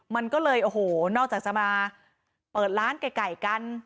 มันก็เลยโอ้โหนอกจากจะมาเปิดร้านไก่กัน